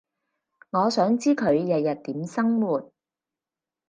我想知佢日日點生活